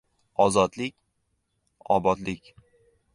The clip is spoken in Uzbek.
• Ozodlik — obodlik.